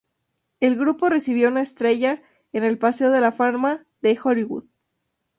El grupo recibió una estrella en el paseo de la fama de Hollywood.